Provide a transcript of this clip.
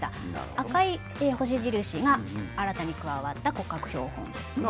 赤い星印が新たに加わった骨格標本ですね。